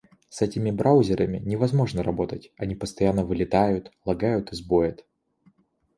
С этими браузерами невозможно работать. Они постоянно вылетают, лагают и сбоят.